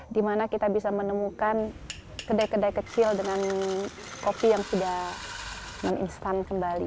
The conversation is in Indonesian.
dimana kita bisa menemukan kedai kedai kecil dengan kopi yang sudah non instan kembali